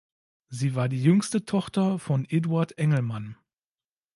Sie war die jüngste Tochter von Eduard Engelmann.